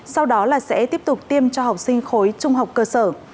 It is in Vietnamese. sau đó là sẽ tiếp tục tiêm cho học sinh khối trung học cơ sở